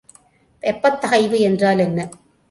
வெப்பத் தகைவு என்றால் என்ன?